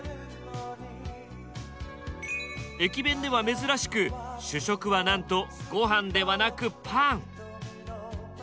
駅弁では珍しく主食はなんとごはんではなくパン。